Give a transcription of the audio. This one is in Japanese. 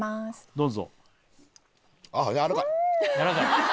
どうぞ。